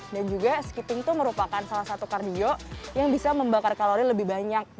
dan juga skipping itu merupakan salah satu kardio yang bisa membakar kalori lebih banyak